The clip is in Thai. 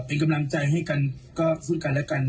เป็นกำลังใจให้กันก็ซึ่งกันและกันนะ